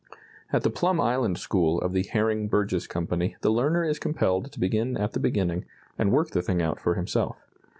At the Plum Island school of the Herring Burgess Company the learner is compelled to begin at the beginning and work the thing out for himself.